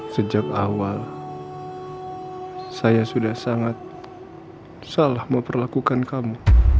sejak awal saya sudah sangat salah memperlakukan kamu